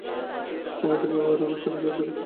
অমিতর ব্যবহারেরও অনেকখানি বদল ঘটেছে।